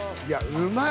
うまい！